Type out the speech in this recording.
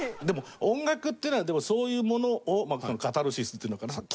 でも、音楽っていうのはそういうものをカタルシスっていうのかな？